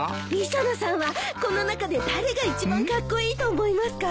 磯野さんはこの中で誰が一番カッコイイと思いますか？